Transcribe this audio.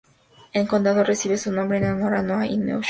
El condado recibe su nombre en honor a Noah V. Neosho.